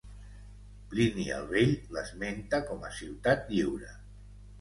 Plini el Vell l'esmenta com a ciutat lliure.